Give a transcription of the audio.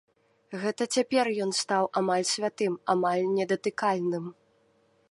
Гэта цяпер ён стаў амаль святым, амаль недатыкальным.